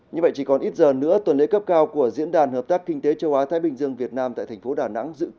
như vậy chỉ còn ít giờ nữa tuần lễ cấp cao của diễn đàn hợp tác kinh tế châu á thái bình dương việt nam tại thành phố đà nẵng dự kiến